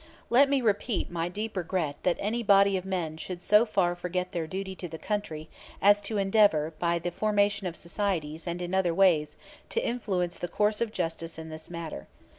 Let me repeat my deep regret that any body of men should so far forget their duty to the country as to endeavor by the formation of societies and in other ways to influence the course of justice in this matter.